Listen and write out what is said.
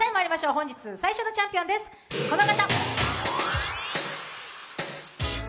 本日、最初のチャンピオンです、この方！